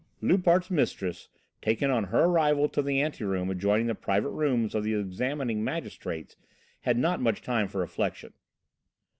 Loupart's mistress, taken on her arrival to the ante room adjoining the private rooms of the examining magistrates, had not much time for reflection.